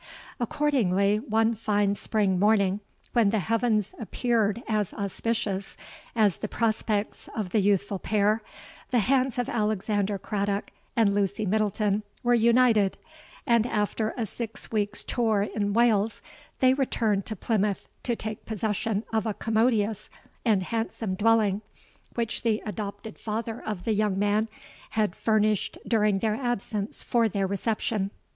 Accordingly, one fine Spring morning, when the heavens appeared as auspicious as the prospects of the youthful pair, the hands of Alexander Craddock and Lucy Middleton were united; and, after a six weeks' tour in Wales, they returned to Plymouth to take possession of a commodious and handsome dwelling, which the adopted father of the young man had furnished during their absence for their reception.